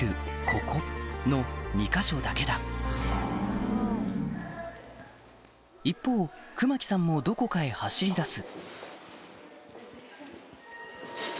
ここの２か所だけだ一方熊木さんもどこかへ走りだす